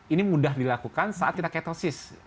ini mudah dilakukan saat kita ketosis